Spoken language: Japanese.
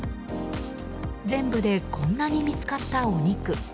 全部でこんなに見つかったお肉。